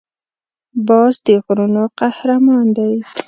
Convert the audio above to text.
باز د غرونو قهرمان دی